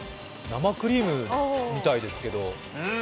生クリームみたいですけど。